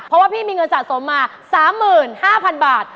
เพราะว่าพี่มีเงินสะสมมา๓๕๐๐๐บาท